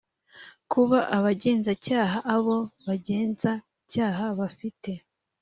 kuba abagenzacyaha abo bagenzacyaha bafite